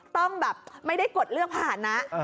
ต้องแบบไม่ได้กดเลือกภาษณะ